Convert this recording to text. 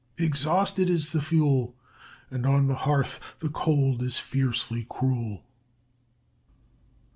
"'Exhausted is the fuel, And on the hearth the cold is fiercely cruel.'"